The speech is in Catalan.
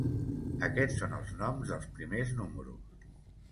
Aquests són els noms dels primers números.